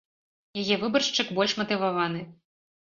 Яе выбаршчык больш матываваны.